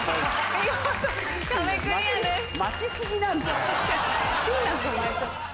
見事壁クリアです。